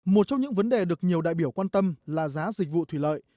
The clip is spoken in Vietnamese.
một trong những vấn đề được nhiều đại biểu quan tâm là giá dịch vụ thủy lợi